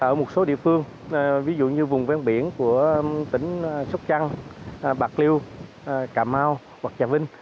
ở một số địa phương ví dụ như vùng ven biển của tỉnh sóc trăng bạc liêu cà mau hoặc trà vinh